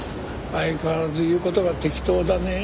相変わらず言う事が適当だねえ。